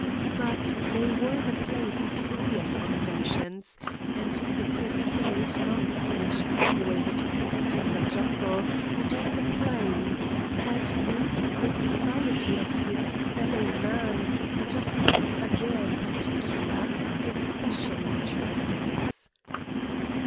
But they were in a place free of conventions, and the preceding eight months which Hemingway had spent in the jungle and on the plain had made the society of his fellow man, and of Mrs. Adair in particular, especially attractive.